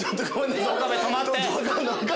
岡部止まって。